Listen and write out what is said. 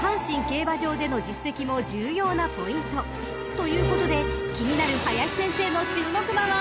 ［ということで気になる林先生の注目馬は］